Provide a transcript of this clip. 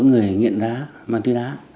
người nghiện đá ma túy đá